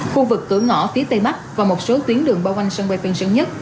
khu vực cửa ngõ phía tây bắc và một số tuyến đường bao quanh sân bay tân sơn nhất